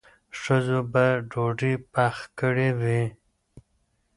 ښځو به ډوډۍ پخ کړې وي.